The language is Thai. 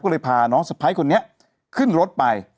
ก็เลยพาน้องสะพ้ายคนนี้ขึ้นรถไป